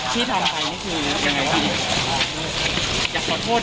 ที่ทำไปนี่คือยังไงบ้างอยากขอโทษ